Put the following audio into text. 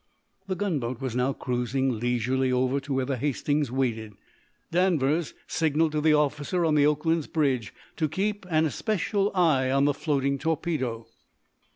The gunboat was now cruising leisurely over to where the "Hastings" waited. Danvers signed to the officer on the "Oakland's" bridge to keep an especial eye on the floating torpedo.